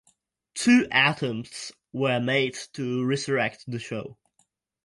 Two attempts were made to resurrect the show.